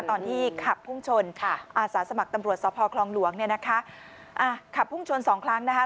ตอนที่ขับพุ่งชนอาศาสมัครตำรวจสภคลองหลวงขับพุ่งชน๒ครั้งนะคะ